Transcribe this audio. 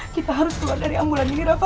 kita harus keluar dari ambulans ini rafa